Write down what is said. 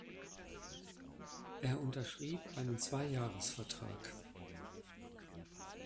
Er unterschrieb einen Zweijahresvertrag.